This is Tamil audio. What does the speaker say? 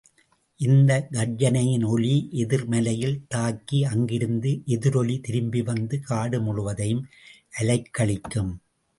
இந்தக் கர்ஜனையின் ஒலி எதிர் மலையில் தாக்கி அங்கிருந்து எதிரொலி திரும்பி வந்து, காடு முழுவதையும் அலைக்கழிக்கும்.